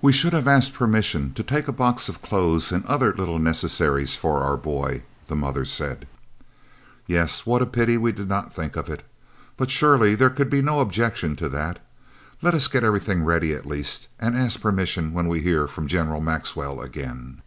"We should have asked permission to take a box of clothes and other little necessaries for our boy," the mother said. "Yes, what a pity we did not think of it! But surely there could be no objection to that! Let us get everything ready at least, and ask permission when we hear from General Maxwell again."